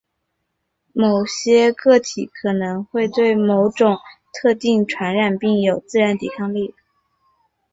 某些个体可能会对某种特定传染病有自然抵抗力。